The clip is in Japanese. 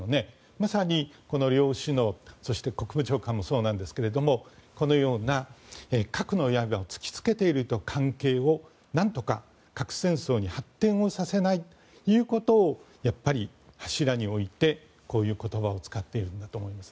まさに両首脳そして国務長官もそうですがこのような核のやいばを突きつけているという関係をなんとか核戦争に発展をさせないということをやっぱり柱に置いてこういう言葉を使っているんだと思います。